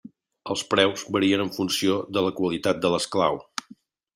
Els preus varien en funció de la qualitat de l'esclau.